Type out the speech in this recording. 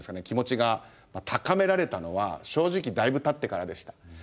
気持ちが高められたのは正直だいぶたってからでした。